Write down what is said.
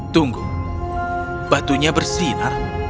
tunggu batunya bersinar